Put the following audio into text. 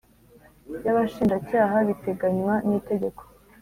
y abashinjacyaha biteganywa n itegeko